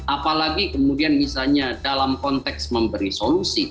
apalagi kemudian misalnya dalam konteks memberi solusi